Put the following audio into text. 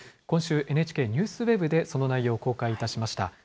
今週、ＮＨＫＮＥＷＳＷＥＢでその内容を公開いたしました。